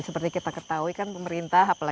seperti kita ketahui kan pemerintah apalagi